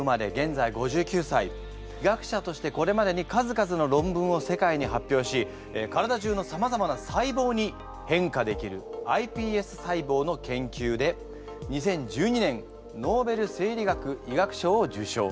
医学者としてこれまでに数々の論文を世界に発表し体じゅうのさまざまな細胞に変化できるｉＰＳ細胞の研究で２０１２年ノーベル生理学・医学賞を受賞。